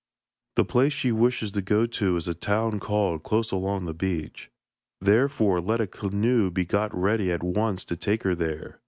The place she wishes to go to is a town called Close along the beach. Therefore, let a canoe be got ready at once to take her there.'